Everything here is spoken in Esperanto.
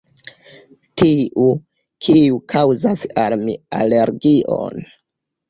Tiu, kiu kaŭzas al mi alergion...